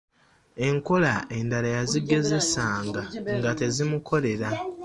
Enkola endala yazigezesanga nga tezimukolera.